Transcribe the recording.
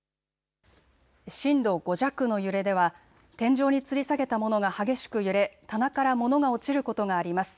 震度５弱の揺れでは天井につり下げたものが激しく揺れ棚から物が落ちることがあります。